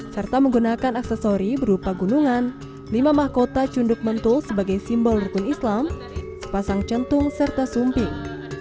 serta menggunakan aksesori berupa gunungan lima mahkota cunduk mentul sebagai simbol rukun islam sepasang centung serta sumping